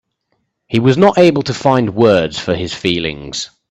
He was not able to find words for his feelings.